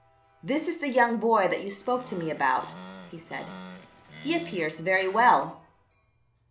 "This is the young boy that you spoke to me about?" he said. "He appears very well."